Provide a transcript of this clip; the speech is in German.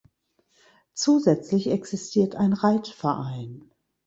Zusätzlich existiert ein Reitverein.